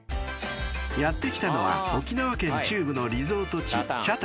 ［やって来たのは沖縄県中部のリゾート地北谷］